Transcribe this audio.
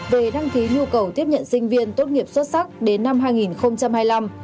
về đăng ký nhu cầu tiếp nhận sinh viên tốt nghiệp xuất sắc đến năm hai nghìn hai mươi năm